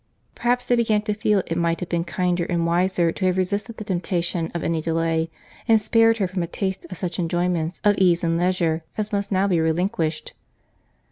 Perhaps they began to feel it might have been kinder and wiser to have resisted the temptation of any delay, and spared her from a taste of such enjoyments of ease and leisure as must now be relinquished.